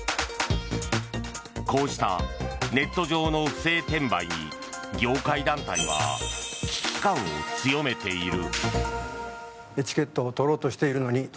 こうしたネット上の不正転売に業界団体は危機感を強めている。